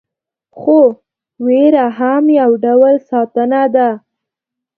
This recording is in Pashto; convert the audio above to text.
خو ویره هم یو ډول ساتنه ده.